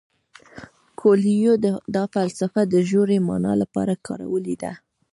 کویلیو دا فلسفه د ژورې مانا لپاره کارولې ده.